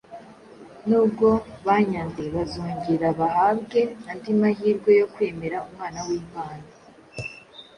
nubwo banyanze bazongera bahabwe andi mahirwe yo kwemera Umwana w’Imana.